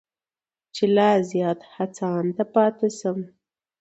چې لا زیات هڅانده پاتې شم.